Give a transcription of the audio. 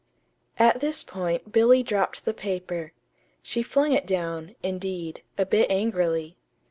At this point Billy dropped the paper. She flung it down, indeed, a bit angrily.